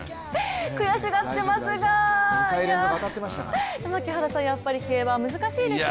悔しがっていますが槙原さん、やっぱり競馬は難しいですね。